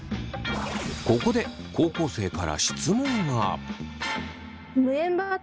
ここで高校生から質問が。